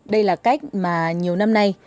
đây là cách mà nhiều năm nay